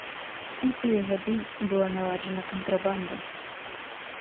У тыя гады была наладжана кантрабанда.